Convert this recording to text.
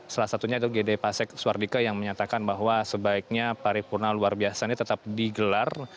salah satunya itu gede pasek suwardike yang menyatakan bahwa sebaiknya paripurna luar biasa ini tetap digelar